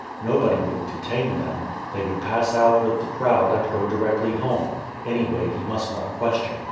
Nobody would detain them. They would pass out with the crowd and go directly home. Anyway, he must not question.